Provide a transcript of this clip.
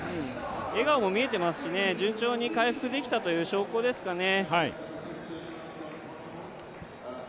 笑顔も見えていますし、順調に回復できたという証拠ですかね。